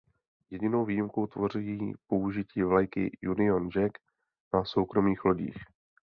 Jedinou výjimku tvoří použití vlajky Union Jack na soukromých lodích.